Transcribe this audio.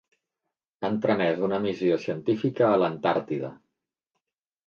Han tramès una missió científica a l'Antàrtida.